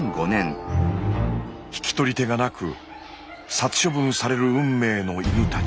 引き取り手がなく殺処分される運命の犬たち。